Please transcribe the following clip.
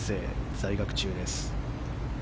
在学中です。